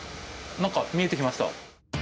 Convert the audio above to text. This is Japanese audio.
何か見えてきました。